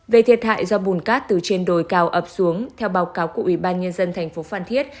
về thiệt hại do bùn cát từ trên đồi cao ập xuống theo báo cáo của ủy ban nhân dân thành phố phan thiết